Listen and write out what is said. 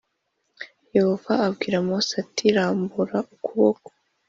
Yehova abwira Mose ati rambura ukuboko